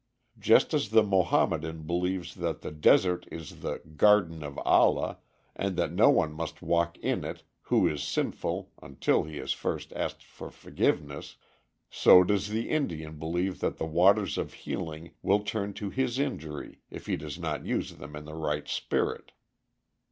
Just as the Mohammedan believes that the desert is the "Garden of Allah" and that no one must walk in it who is sinful until he has first asked for forgiveness, so does the Indian believe that the waters of healing will turn to his injury if he does not use them in the right spirit.